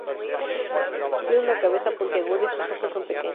Tiene una cabeza puntiaguda y sus ojos son pequeños.